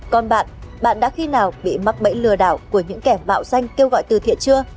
còn bạn bạn đã khi nào bị mắc bẫy lừa đảo của những kẻ mạo danh kêu gọi từ thiện chưa